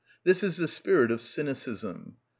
This is the spirit of cynicism.